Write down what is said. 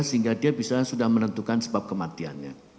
sehingga dia bisa sudah menentukan sebab kematiannya